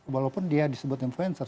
walaupun dia disebut influencer